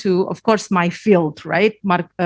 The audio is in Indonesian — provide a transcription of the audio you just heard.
tentu saja bidang saya